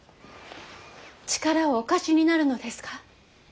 力をお貸しになるのですか。